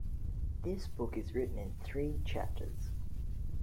This book is written in three chapters.